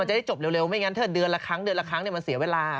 จะได้จบเร็วไม่งั้นถ้าเดือนละครั้งเดือนละครั้งมันเสียเวลา